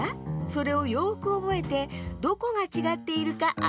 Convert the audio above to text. それをよくおぼえてどこがちがっているかあててちょうだい。